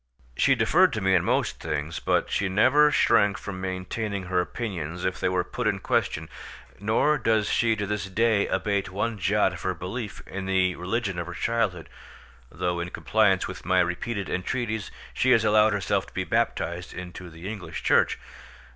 She deferred to me in most things, but she never shrank from maintaining her opinions if they were put in question; nor does she to this day abate one jot of her belief in the religion of her childhood, though in compliance with my repeated entreaties she has allowed herself to be baptized into the English Church.